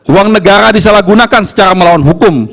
uang negara disalahgunakan secara melawan hukum